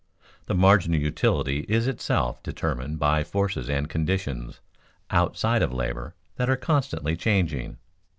The marginal utility is itself determined by forces and conditions outside of labor that are constantly changing.